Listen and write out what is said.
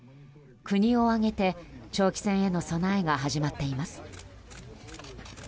国を挙げて長期戦への備えが始まっています。